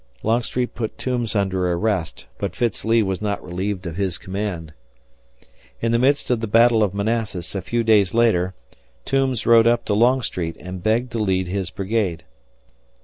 Longstreet put Toombs under arrest, but Fitz Lee was not relieved of his command. In the midst of the battle of Manassas, a few days later, Toombs rode up to Longstreet and begged to lead his brigade.